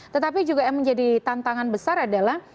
tetapi juga yang menjadi tantangan besar adalah